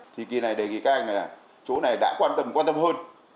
thì kỳ này đề nghị các anh là chỗ này đã quan tâm quan tâm hơn